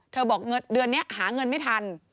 เธอบอกเดือนเนี้ยหาเงินไม่ทัน